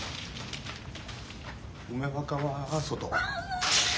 梅若は外。